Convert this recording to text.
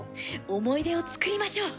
思い出を作りましょう。